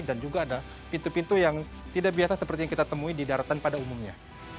dan juga ada pintu pintu yang tidak biasa seperti yang kita temui di daratan pada umumnya